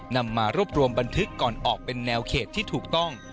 นำมารวบรวมบันทึกก่อนออกเป็นแนวเขตที่ถูกต้อง